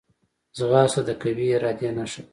ځغاسته د قوي ارادې نښه ده